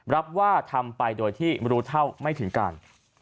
รับว่าทำไปโดยที่รู้เท่าไม่ถึงการ